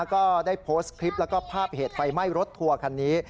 ก็ได้โพสต์คลิปแล้วก็ภาพเหตุไฟไหม้รถทัวร์คันนี้